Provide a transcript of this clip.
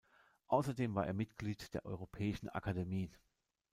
Außerdem war er Mitglied der Europäischen Akademie.